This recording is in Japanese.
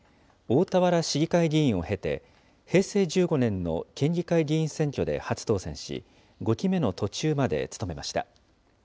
大田原市議会議員を経て、平成１５年の県議会議員選挙で初当選し、５期目の途中まで務めました。